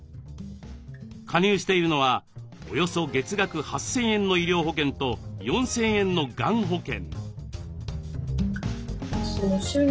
加入しているのはおよそ月額８，０００円の医療保険と４，０００円のがん保険。